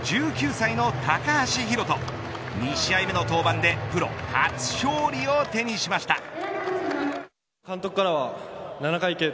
１９歳の高橋宏斗２試合目の登板でプロ初勝利を手にしました。